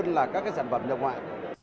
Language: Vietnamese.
như là các cái sản phẩm nước ngoại